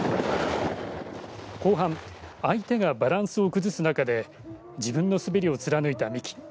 後半、相手がバランスを崩す中で自分の滑りを貫いた三木。